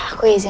ada jess ini